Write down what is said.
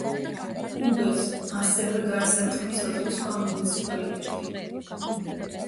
უბეს ასევე გარს ერტყმის ოთხი სხვა მუნიციპალიტეტი.